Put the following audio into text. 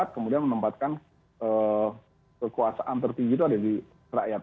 kemudian menempatkan kekuasaan tertinggi itu ada di rakyat